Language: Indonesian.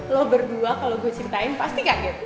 lo berdua kalau gue ceritain pasti kaget